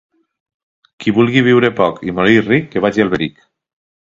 Qui vulgui viure poc i morir ric que vagi a Alberic.